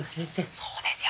そうですよ。